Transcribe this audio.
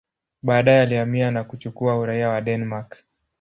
Baadaye alihamia na kuchukua uraia wa Denmark.